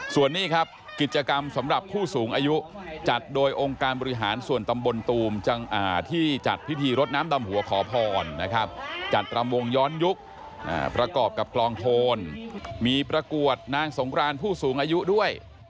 ส่วนนี้ครับกิจกรรมสำหรับผู้สูงอายุจัดโดยองค์การบริหารส่วนตำบลตูมที่จัดพิธีรดน้ำดำหัวขอพรนะครับจัดรำวงย้อนยุคประกอบกับกลองโทนมีประกวดนางสงครานผู้สูงอายุด้วย